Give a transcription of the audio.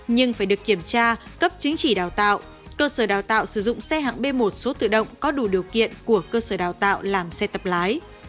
nhưng phải được kiểm tra cấp chứng chỉ đào tạo cơ sở đào tạo sử dụng xe hạng b một số tự động có đủ điều kiện của cơ sở đào tạo làm xe tập lái